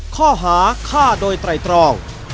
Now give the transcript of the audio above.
ข้อหาฆ่าโดยไตรตรอง